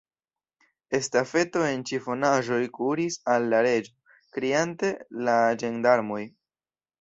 Estafeto en ĉifonaĵoj kuris al la Reĝo, kriante: "La ĝendarmoj!"